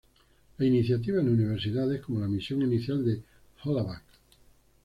La "Iniciativa en universidades", como la misión inicial de Hollaback!